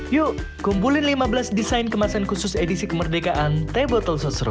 yuk kumpulin lima belas desain kemasan khusus edisi kemerdekaan teh botol sosro